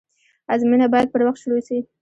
آزموينه بايد پر وخت شروع سي.